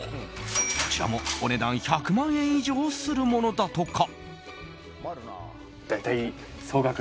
こちらもお値段１００万円以上するものだとか。